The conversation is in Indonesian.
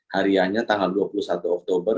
hariannya tanggal dua puluh satu oktober